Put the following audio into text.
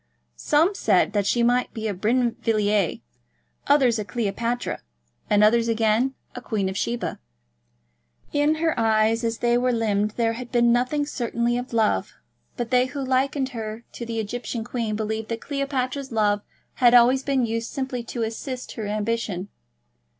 Some said that she might be a Brinvilliers, others a Cleopatra, and others again a Queen of Sheba. In her eyes as they were limned there had been nothing certainly of love, but they who likened her to the Egyptian queen believed that Cleopatra's love had always been used simply to assist her ambition.